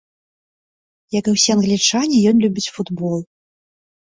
Як і ўсе англічане, ён любіць футбол.